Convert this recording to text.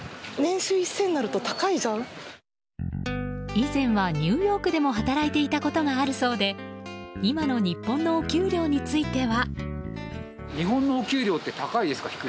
以前はニューヨークでも働いていたことがあるそうで今の日本のお給料については。